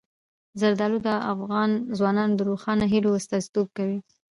زردالو د افغان ځوانانو د روښانه هیلو استازیتوب کوي.